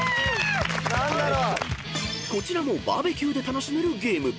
［こちらもバーベキューで楽しめるゲーム］